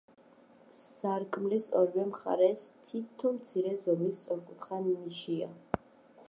სარკმლის ორივე მხარეს თითო მცირე ზომის სწორკუთხა ნიშია.